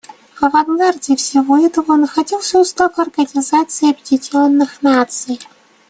В авангарде всего этого находился Устав Организации Объединенных Наций.